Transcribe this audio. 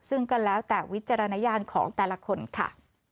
ซึ่งก็แล้วแต่วิจารณญาณของแต่ละคนค่ะ